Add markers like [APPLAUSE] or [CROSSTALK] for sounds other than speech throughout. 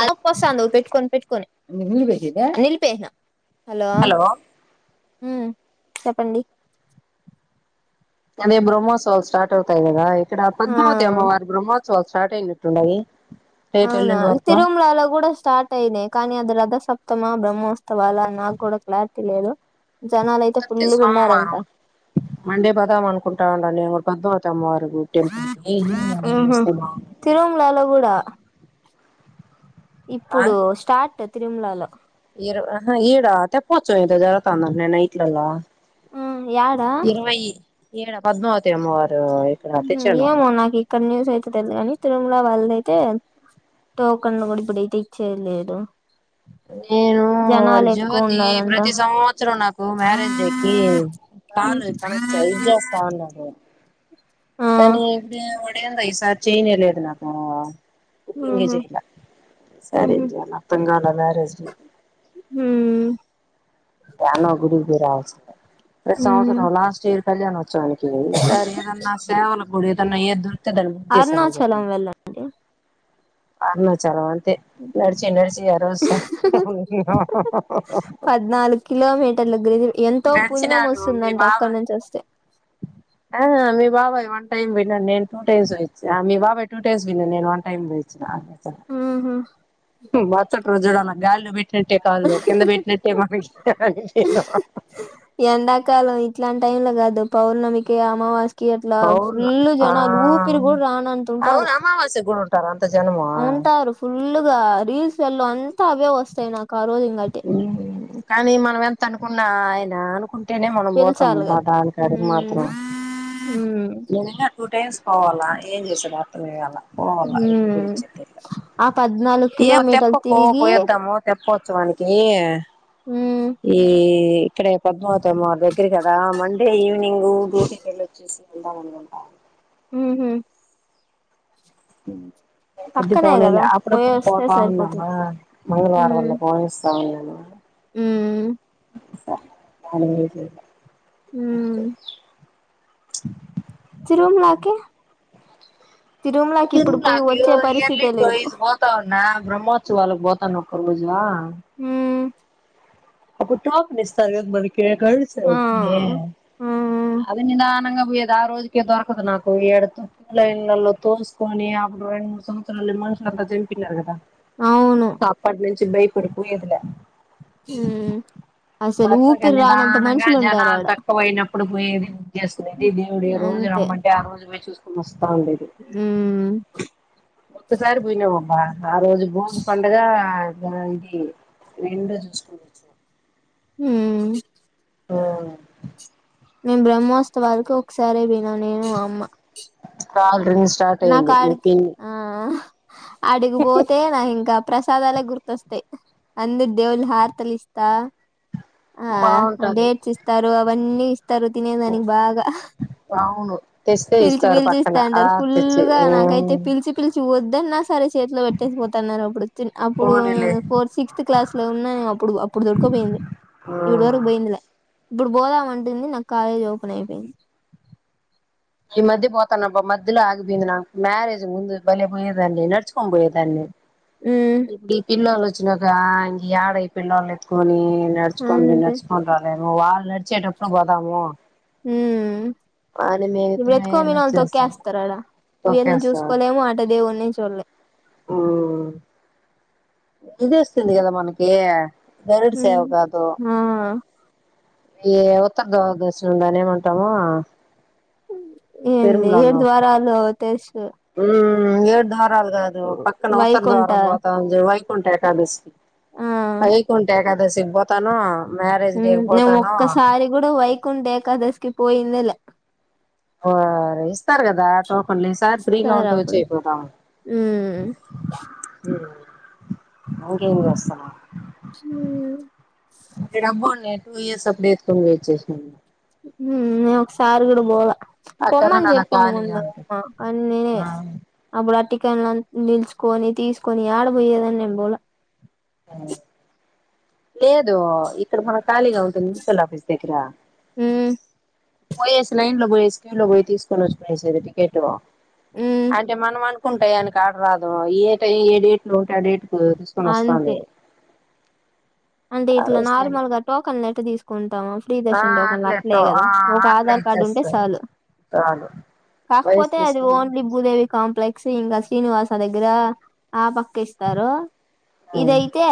అలుపు వస్తుంది పెట్టుకొని పెట్టుకొని నిలిపేసిన హలో చెప్పండి అదే బ్రహ్మత్వాలు స్టార్ట్ అవుతాయి కదా ఇక్కడ ఆ పద్మావతి అమ్మవారి బ్రహ్మోత్సవ స్టార్ట్ అయిటుండాయి అవున తిరుమలలో కూడ స్టార్ట్ అయినయి కానీ అది రథసప్తమ లేదా బ్రహ్మోత్సవాలు నాకు కూడ క్లారిటీ లేదు జనాలు అయితే కుదతే ఫుల్లుగా ఉండారంట సోమవారం మండే పోదామ అనుకుంటా ఉడి నేను కూడ పద్మవతి అమ్మవారు టెంపుల్ ఇనింగ్ ఎ ఆహా స్కూల్ తిరుమలలో కూడా ఇప్పుడు స్టార్ట్ తిరుమలలో ఏ ఈడా తెప్ప వచ్చ ఏద జాతర అన్నారు నైట్లలో ఆ యాడా ఈ డ పద్మావతి అమ్మవారి ఏమో నాక ఇక్కడ నిన్వస్ అయితుగాని త ఇలా వాళ్ళ అయితే టోకన్లు కూడా ఇప్పుడయితే ఇచ్చేయలేడ నేను వాడు జ్యోతి ఉన్నారంట ప్రతి సంవత్సరం నాకు మ్యారేజ్ డేకిి కాను ఇది చేస్తా ఉండాడు ఆహా కానీ ఇప్పుడ ఒడంది ఈయిసారి చేయనే లేదు నాకు ఇప్పుడు నుంచె ఉహు చెప్తా సురే తను రాలా మ్యారేజ్ కి హు ఎన గుడింతె రాజ్ ప్రతి ఉమ్ సంవత్సరం లాస్ట్ ఇయర్ కళ్యాణోత్సవానికి సర ఏదన్నా సేవలకు కూడ ఏదన్నా ఎద్దు దాన్ని బుక్ చేసామని చెప్ప అరుణాచలం వెళ్ళండి అరుణ చరల్ నడిచి నడిచ ఆరోోజ్ ఇ గ ఎంతో పుణ్యం వస్తుందంటే అక్కడి బాబాయ్ నుంచి వస్తే ఆ మీ బాబాయ్ వన్ టైమ్ పిలవండి నేను టూ టైమ్స్ వచ్చా మీ బాబా్ టూ టైమ్ లైన్న నేను వన్ టైమ్ వచ్చినా ఊహు మరుసరి రోజు గాల్లో పెట్నట్టే కాల్లో కింద పెట్టినట్టే మన ఎండాకాలం ఇట్లాంటి టైం లో కాదు పౌర్ణమికి అమావాస్ యకి అట్లా అవును ఫుల్ ఆ జనాలు ఊపిరి కూడ అవును రానతుంటారు అమావాస్యకు కూడా ఉంటారు అంత జనము ఉంటారు ఫుల్గా రీల్స్ వలో అంతా అవే వస్తాయి నాకు ఆ రోజు ఇంగటి కానీ మనం ఎంత అనుకున్నా ఆయన అనుకుం టేనే మనం పోతాం బ పిలిచాలిగా దానికిడి ఉమ్ మాత్రం న టూ టైమ్స్ పోవాల ఏం చేసాడు అతను ఇవ్వాల పోావాల ఉమ్ వి ఆ పద్నాలుగు ఏ కిలోమీటర్లు తెప్పకో తిరిగి పోయద్దామో తెప్ప చో వానికి మ్మ్ ఈ ఇక్కడె పద్మావతి మొత్తమారి దగ్గరె కదా మండే ఈవినింగ్ డ్యూటీకి వెళ్ళి వచ్చేసి వెళ్దాం అనుకుంటా ఊహు స అది పక్కనే పోలేలే కదా పోయి అప్పుడుప్పుడు వస్తే పోతా ఉన్నామ సరిపోతుంది కదా మంగళవారంంలోళ పోయిస్తా మ్ సరె మ్మ్ అ చిరున్ మాకి తిన్ మాకి ఇయర్లీ లేదు టోయిస్ పోతావున్నా బ్రహ్మోత్సవ వాళకు బతను కొమ్మోజువా మ్మ్ అప్పుడు టాప్ నిస్తార్ గా మనకి కడుగుడు ఆ సేవకి మ్మ్ అది నినానంగా పోయేది ఆ రోజుకే దొరకదు నాకు ఏడుతో లే ఇళ్లలో తోస్ కొని అప్పుడు రెండు మూడు సంవత్సరాలు మనుషులు అంతా జంపినారు గదా అవును అప్పటి నుంచి బయ్ పడిపోయేదిలే మ్మ్ అసలు మగా ఊపిరి రానంత నిదానంగా మనుషులు ఉంటారు జనాలు ఆడ తక్కువ అయినప్పుడు పోయేది జేస్తుంది దేవుడు ఏ రోజు రమ్మంటే ఆ రోజు పోయి చూసుకుని వస్ ఉమ్ ఒక్కసారి బోయిన వమ్మా ఆ రోజు భోగి పండగ దాందీ రెండు జూసుకొని వచ్చినమ్ ఉమ్ ఆ మేము బ్రహ్మోత్సవాలకు ఒకసారే బోయినం నేను మా అమ్మ కాల్ రింగ్ స్టార్ట్ అయింది మీ పిన్ని ఆడిగిబోతే నా ఇంకా ప్రసాదాలే గుర్తొస్తయ్ అందరి దేవుల హారతిలిస్తా ఆ బాగుంటది డేట్స్ ఇస్తారు అవన్నీ ఇస్తారు తినే దానికి బాగా అవును తెస్తే పిలిచి ఇస్తారు పిలిచి పక్కన ఇస్తా ఆ అంటారు తెచ్చి ఫుల్ గా నాకైతే పిలిచి పిలిచి వద్దు సరే చేతిలో పెట్టేసిపోతున్నారు అప్పుడు అప్పుడు పోనీలే నేను ఫోర్ సిక్స్త్ క్లాస్ లో ఉన్నా అప్పుడు అప్పుడు దొర పోయింది ఇప్పడి వరకు పోయిందిలే ఇప్పుడు బోదాంమంటుంది నాకు కాలేజ్ ఓపెన్ అయిపోయింది. ఈ మధ్య బోతాన్న అబ్బా మధ్యలో ఆగిపోయింది నాకు మ్యారేజ్ ముందు భలే బోయేదాన్ని నడుచుకోని పోయేదాన్ని ఉమ్ ఈ పిల్లోల్లు వ చ్చిన కానించి ఏడ ఈ పిళ్లోళ్ళ ఎత్తుకొని నడుచుకొని బోయ్ అంతే నడుచుకొని రాలేను వాళ్ళు నడిచేటప్పుడు బోదామ్ యా ఉమ్ నువ్వు యెత్తుకొని బోయినా ఎళ్ళొచ్చేస్తాం తొక్కేస్తారు ఆడా వీళ్ళని చూసుకోలేము అటు దేవున్ని చూడలేం ఉమ్ ఇది వస్తుంది గదా మనకి బరెడు సేవ చూడలేము కాతు ఆ ఈవత గవగర్శనలనే ఉంటాము ఏంది ఏడు ద్వారాలు తెలుసు ఉమ్ ఏడు ద్వారాలు గాదు పక్కన ఉత్తర వైకుంఠ ద్వారం బోతావుంది వైకుంఠ ఏకాదశి ఆ వైకుంఠ ఏకాదశికి బోతాను ఉమ్ నే ఒక్కసారి గూడా వైకుంఠ ఏకాదశికి పోయిందేలే వ్వారి ఇస్తారు గదా టోకన్లు ఈసారి ఫ్రీగా ఉంటే వచ్చేయ్ పోదాం ఉమ్ ఉమ్ ఇంకేం జేస్తున్నావ్ ఈడ అమ్మోల్ని టు ఇయర్స్ అప్పుడే ఎత్తుకొని బోయ్ వచ్చేసినం మేము ఉమ్ నే ఒకసారి గూడ బోలే ఆ పొమ్మని కరోనా నాకు జెప్పింది ఖాళీగా ముందు ఉంటే ఆ కాని నేనే ఆ అప్పుడు ఆ టి కెట్ నిల్చుకొని తీసుకొని ఆడ బోయేదని నేం బోలే లేదు ఇక్కడ మన ఖాళీగా ఉంటుంది మున్సిపల్ ఆఫీస్ దగ్గర ఉమ్ పోయేసి లైన్ లో పోయేసి క్యూ లో పోయి తీసుకొని వచ్చుకునేసేది టికెట్ అంటే మనం అను కుంటాయి ఆయనకి ఆడ రాదు ఏ టై ఏ డేట్ లో ఉంటే ఆ డేట్ తీసుకొని వస్తా అంతే అనేది అంటే ఇట్లా నార్మల్ గా టోకన్ లెట తీసుకుంటాం ప్రీ ఆ దర్శన్ టోకెన్లు అట్లే కదా ఆ ఒక అట్లే ఆధార్ కార్డు ఉంటే ఇచ్చేస్తారు చాలు చాలు వయసు కాకపోతే అది ఓన్లీ తీసుకుని భూదేవి కాంప్లెక్స్ ఇంకా శ్రీనివాస దగ్గర ఆ పక్కిస్తారు ఇదైతే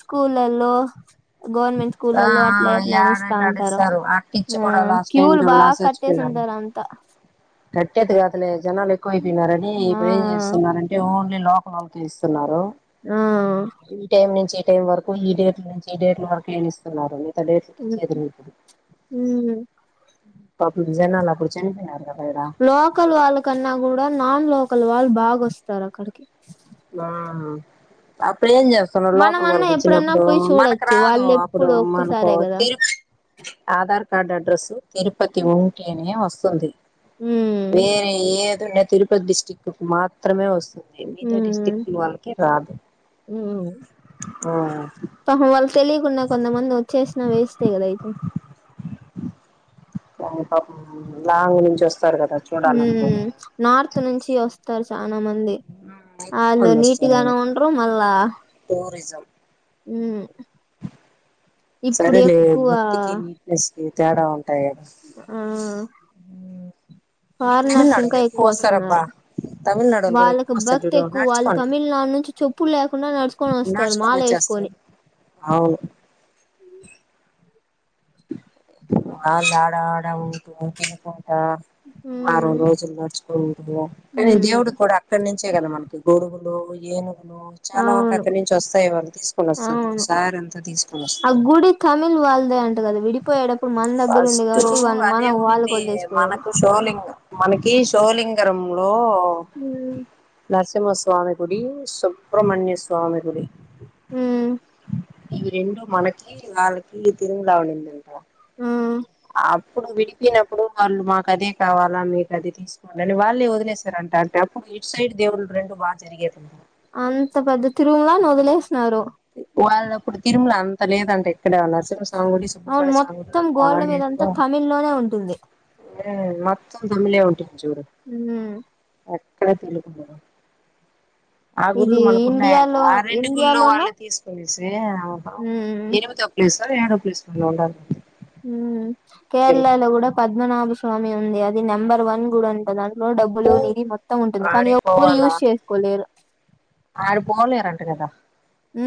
స్కూళ్ల్లో గవర్నమెంట్ ఆ స్కూలలో అట్లా నడిస్తా యాడంటే ఉంటారు ఆడిస్తారు అట్టిచ్చి కూడా ఆ లాస్ట్ టైం క్యూలు బాగా కట్టేసి టారు అంత కట్టేదిగా కాదులే జనాలు ఎక్కువ అయిపోయినారని ఆ ఇప్పుడు ఏం చేస్తున్నారంటే ఓన్లీ లోకలోళ్ళకి ఇస్తున్నారు ఉ ఈ టైం నుంచి ఈ టైం వరకు ఈ డేట్ నుంచి ఈ డేట్ల వరకు ఏ ఇస్తున్నారు డేట్స్ హ్మ్. ఇచ్చే హ్మ్. పాపం జనాలు అప్పుడు చనిపోయినారు కదా ఈడ లోకల్ వాళ్ళ కన్నా కూడా నాన్ లోకల్ వాళ్ళు బాగాస్తారు అక్కడికి ఆ ఇప్పుడు ఏం చేస్తున్నారు మనం లోకల్ అన్నా వాళ్లకి ఎప్పుడన్నా ఇచ్చినప్పుడు పోయి మనకు చూడొచ్చు రాదు వాళ్ళు అప్పుడు ఎప్పుడు మనకు ఒక్కసారే కదా తిరుగు ఆధార్ కార్డ్ అడ్రస్ తిరుపతి ఉంటేనే వస్తుంది ఉమ్ వేరే ఏదో తిరుపతి డిస్టిక్ట్కు మాత్రమే వస్తుంది మిగతా డిస్క్ ఉమ్ స్టిక్ వాళ్ళకి రాదు ఉమ్ ఆ పాపం వాళ్ళు తెలియకుండా కొంతమంది వచ్చేసినా వేస్ట్ కదా అయితే పాప లాంగ్ నుంచి వస్తారు కదా ఉమ్ చూడాలనుకుని చనా మంది అ అందు వస్తారు నీటిగానా మనకి ఉండ్రు మళ్ళా టూరిజం ఉ సరేలే భక్తికి నీట్నెస్ కి తేడావ ఆ మీ ఫారినర్స్ ఇంకా తమిళనాడోళ్ళు ఎక్కువ వస్తారబ్బా వస్తున్నారు తమిళనాడోళ్ళు కూడా ఎక్కువ వాళ్ళకి వస్తారు భక్తి చూడు ఎక్కువ వాళ్ళు నడుచుకోని తమిళనాడు నుంచి చెప్పులు లేకుండా నడుచుకొని వస్తారు మాల వేసు అవునూ ఆడా ఆడ ఉన్ వారం ఉమ్ రోజులు నడుచుకు కానీ ఉమ్ దేవుడు కూడా అక్కడి నుంచి వచ్చే కదా మనకి గొడుగులు ఏను చాలా వరకు అవును అక్కడి నుంచి వస్తాయి వాళ్ళు తీసుకొని అవును వస్తారు సార్ ఎంత తీసుకొని ఆ వస్తారు గుడి తమిళ్ వెళ్దా ఫస్ట్ వాళ్ళు అదే మనం వాళ్ళకి ఉనింది వదిలేసిపోయారు మనకు షోలింగ్ మనకి కీ సోలింగరములో నరసింహస్వామి గుడి సుబ్ర్మణ్య స్వామి గుడి ఉ ఇవి రెండు మనకి వాళ్ళకి తిరుమల ఉండింది కదా ఆ అప్పుడు విడిపోనప్పుడు వాళ్ళు మాకు అదే కావాలా మీకు అది తీసుకోవాలని వాళ్ళే వదిలేసార అంట అంటే ఇప్పు ఇటు సైడ్ దేవుళ్ళలు రెండు బాగా జరిగేవి తిరుమలాని వదిలేసినారు వాళ్ళప్పుడు తిరుమల అంత లేదంటే అక్కడ నరసింహ స్వామి గుడి అవును సుబ్రహ్మణ్య స్వామి గుడి మొత్తం గోల్డ్ మీద అంతా బాగా తమిళ్ లోనే ఉంటుంది ఏ మొత్తం తమ్మిలేే అవుతుంది హు [UNINTELLIGIBLE] ఆ గుడులు ఇది మనకున్నాయంట ఇండియాలో ఆ రెండు గుళ్లు ఇండియాలోన వాళ్ళే తీసుకొనేసి ఉమ్ ఎనిమిదో ప్లేసో ఏడో ప్లేసో ఉండాలి కేరళలో కూడ పద్మనాభ స్వామి ఉంది అది నెంబర్ వన్ కూడ అంట దాంట్లో డబ్బులు పో నీది మొత్తం ఉంటుంది కానీ ఎవరు ఆడిపోవాలా యూజ్ చేసుకోలేరు [UNINTELLIGIBLE] [UNINTELLIGIBLE] ఊ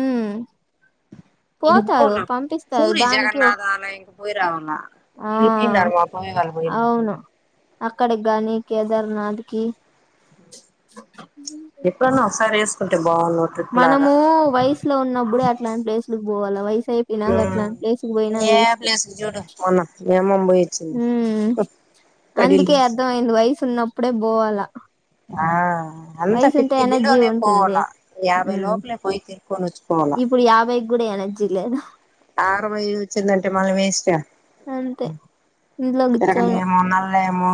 [UNINTELLIGIBLE] పూరి దానికి ఒక జగన్నాథ అలయనికి పోయి రావలా ఆ అవును [UNINTELLIGIBLE] అక్కడికి గానీ కేదార్నాథ్ కి ఎప్పుడు ఒకసారి ఏసుకుంటే మనము వయసులో ఉన్నప్పుడే అట్లాంటి ప్లేసుకి పోవాల వై [UNINTELLIGIBLE] నాకట్ల ప్లేసుకు పోయినా ఏ వేస్ట్ ప్లేస్ కి చూడు మొన్న మీ అమ్మమ్మ పోయి వచ్చింది ఉ అందుకే పడిలేసి అర్ధం అయింది వయసు ఉన్నప్పుడే పోవాల ఆ అంత వయసు ఉంటే ఫిఫ్త్ ఎనర్జీ బిలోనే పోల ఉంటుంది యాభై ఉమ్ లోపలే పోయి తిరుకొనోచుకోవల కూడ ఎనర్జీ లేదు ఆరు వై వచిందంటే మళ్ళా వేస్ట్ అంతే ఇంట్లో కూర్చోను [UNINTELLIGIBLE] ఏమో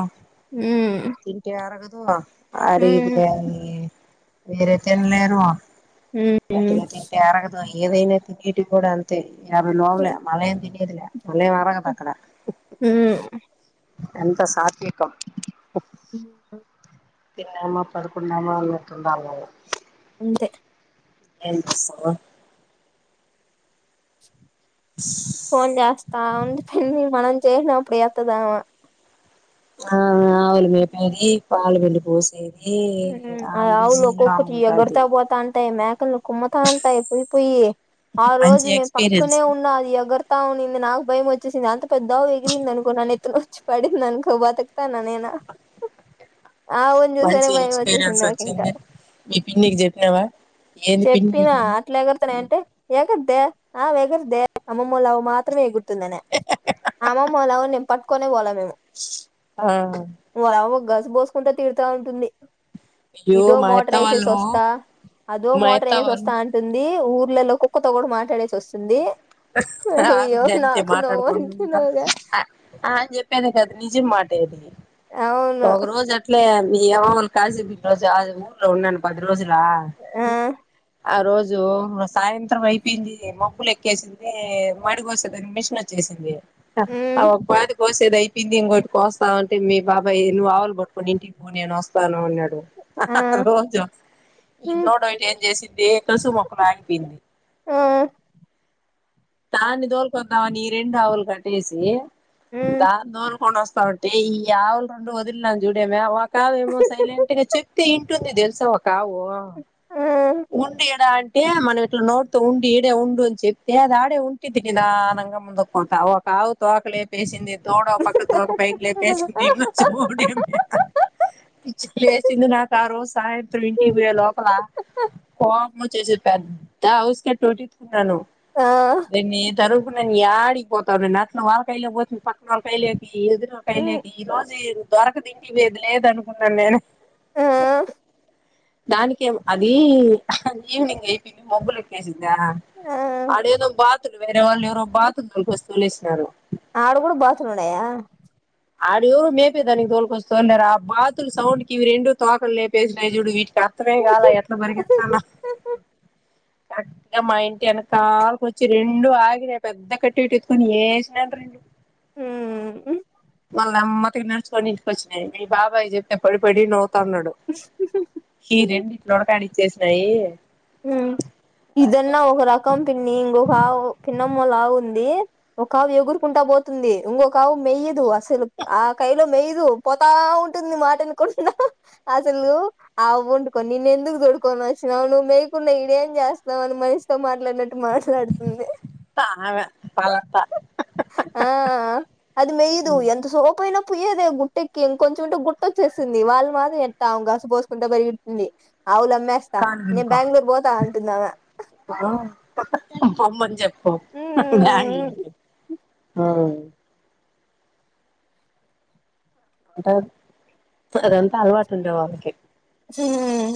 ఉమ్ తింటే ఆరగదు ఉమ్ అరిగితే వేరే తినలేరు ఉమ్ గట్టిగా తింటే అరగదు ఏదైనా తినేటివి కూడ అంతే యాభై లోపలే మళ్ళ ఏం తినే మళ్ళా ఎం అరగదు అక్కడ ఉమ్ అంత సత్వికం హు తిన్నామ పడుకునమా అన్నట్టుంది మళ్ళా అంతే [INAUDIBLE] ఫోన్ చేస్త [UNINTELLIGIBLE] మనం చేసినప్పుడు ఎత్తాదు అమ ఆ ఆవుల మేపేది పాలు పిండి పోసేది ఆ ఆమ ఆవులు బిజీలా ఆమె ఉంటది కముతాంటాయీ పొయ్యి పొయ్యి ఆ మంచి రోజు నేను ఎక్స్పీరియన్స్ పక్కనే ఉన్నా అది ఎగరతా ఉనింది నాకు భయం ఒ [UNINTELLIGIBLE] వచ్చేసింది అంత పెద్ద ఆవు ఎగిరింది అనుకో న నెత్తిన వచ్చి పడింది అనుకో బతుకుతాన నేనా అఓ ఆవున్ మంచి ఎక్స్పీరియన్స్ వచ్చింది మీ పిన్నిక్ చెప్పినవా చెప్పినా అట్లా ఎగర్తన్నయ్ అంటే ఎగ దే ఎగురుదే అమ్మమ్మల అవు మాత్రమే ఎగుర్తుందన ఆ అమ్మమ్మలావు [UNINTELLIGIBLE] పట్కునే [UNINTELLIGIBLE] ఆ పోసుకుంటే తీరుత ఉంటుంది అయ్యో ఇదో మా అత్త మోటార్ వేసేసి వాళ్ళు వస్తా అదో మా మోటార్ అత్త వేసేసి వాళ్ళు వస్తా అంటుంది ఊర్లలో కుక్కతో కూడ మాట్లాడేసి వస్తుంది రా అయ్యో బిడ్డ అంతే నాకు నువ్వు మాట్లాడుకుంటా అంటున్నావుగా ఆని చెప్పాను కదా నిజం మాటేది అవును ఒక రోజు అట్లే నీ యమోలు కాసి రోజు అది ఊర్లో ఉన్నాను పది రోజులా ఆ ఆ రోజు సాయంత్రం అయిపోయింది మబ్బులు ఎక్కేసింది మడి గోసే మిషన్ వచ్ చేసింది ఆ ఉమ్ ఉపాది కోసేదై పింది ఇంకోటి కోస్తా అంటే మీ బాబాయ్ నువ్వు ఆవులు పట్టుకని ఇంటికి పో నేను వస్తాను ఆ ఉన్నాడు ఆ ఈ ఉమ్ దూడ ఇటు ఏం చేసిద్ది తులసి మొక్కలా ఆగిపోయింది ఆ దాన్ని దోలుకొందామని ఈ రెండు ఆవులు కట్టేసి ఉమ్ దాన్ని దోలుకొని వస్ త్తాంటే ఈ ఆవులు రెండు వదిలినాను చూడేమే ఒక ఆవు ఏమో సైలెంట్ గా చెప్తే ఇ టుంది దెలుసా ఒక కావు ఆ ఆ ఉండి ఎడ అంటే మన ఇట్లా నోటితో ఉండి ఈడే ఉండు అని చెప్తే అది ఆడే ఉంటిద్ది కదా నంగా ముందుకు పోతా ఒక ఆవు తోక లేపేసింది తోడ పక్కకు తోక పైకి ఉమ్ లేపేసింది ఒడియమ్మె పిచ్చు ప్లేసింది నాక రోజు సాయంత్రం ఇంటి పోయే లోపల కోపం వచ్చేసి పెద్ద ఉస్క టోటి ఎత్తుకున్నాను ఆ దీన్ని జరుగుకున్నా ఎడికి పోతావే నట్ను వాళ్ళకాయిలే పోతుంది పక్కన వాళ్ళకాయలే ఈ ఎదురుకయలేక ఈ రోజు దొరకదు ఇంటికి పోయేది లేదనుకున్నాను నేను ఆ దానికేం ఏం అ వి ఈవెనింగ్ అయిపోయింది మబ్బులు ఎక్కేసింది దా అడే ఏదో బాతులు వేరే వాళు ఎవరో బాతులు తోల్కొచ్చి వదిలేసినారు ఆడా కూడా బాతులు ఉన్నాయా ఆడ మేపే దానికి తోలుకొచ్చి తొలేరా బాతులు సౌండ్కి ఇవి రెండు తోకలు లెపేసినయ్ చూడు వీటికి ఉమ్ ఎత్తమేగాల ఎట్లా పరిగెతన్నావ్ కరెక్ట్గా మా ఇంటి ఎనకాల కొచ్చి రెండు ఆగిన పెద్ద కత్తి ఎటు ఎత్తుకొని ఎసినా రెండు హ్మ్ వాళ్ళ అమ్మ తినడ్చుకొని ఇంటిక వచ్చినాయి మీ బాబాయ్ చెప్తే పడి పడి న త అన్నాడు హి రెండిట్లో ఒడకాడి ఇచ్చేసినాయి మ్ ఇదన్న ఒక రకం పిన్ని ఇంకొక ఆవు లావుంది ఒక ఆవు ఎగురుకుంటా పోతుంది ఇంకొక ఆవు మెయ్యదు అసలు ఆ కైలో మేయ్యదు పోతా ఉంటుంది మాట ఇనకుండా అసలు ఆవు డుకోని నిన్న ఎందుకు చ పడుకొని వచ్చినావు నువ్వు మేయకుండా ఇడేం చేస్తున్నావని మనిషి తో మాట్లాడినట్టు మాట్లాడుతుంది ఆమె వాళ్ళత్త ఆ అది మెయదు ఎంత సోపయినా పోయేదే గుట్టెక్కి ఇంకొంచెం ఉంటే గుట్టొచ్చేసింది వాళ్ళు మాత్రం ఎట్లావుంగ పోసుకుంట పెరిగెడుతుంది. అవులు అమ్మేస్తా కాన్ నేను గిన్నుకో బెంగళూరు పోతా అంటుంది ఆమె పొమ్మని చెప్పు బెంగుళూరుకి ఆ అంట అదంతా అలవాటు ఉండే వాళ్ళకి హ్మ్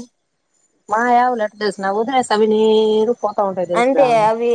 మాయఆవులు ఎట్ట దెలుసున వదిలేసిన అవి నేరు పోత ఉంటాయి అంతే దెలుసున అవి